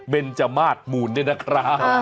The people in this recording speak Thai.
เมนจามาดหมูนได้นะครับ